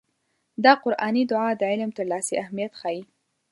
دا قرآني دعا د علم ترلاسي اهميت ښيي.